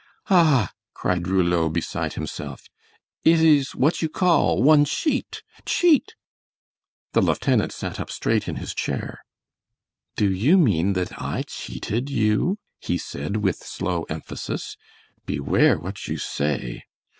"Ah," cried Rouleau, beside himself. "It is what you call? One cheat! cheat!" The lieutenant sat up straight in his chair. "Do you mean that I cheated you?" he said, with slow emphasis. "Beware what you say."